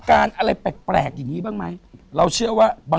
ขอบคุณพี่โจ้ด้วยครับ